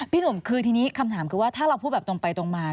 หนุ่มคือทีนี้คำถามคือว่าถ้าเราพูดแบบตรงไปตรงมา